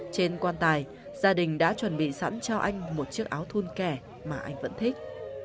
trên quan tài gia đình đã chuẩn bị sẵn cho anh một chiếc áo thun kẻ mà anh vẫn thích